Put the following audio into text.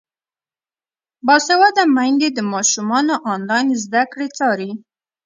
باسواده میندې د ماشومانو انلاین زده کړې څاري.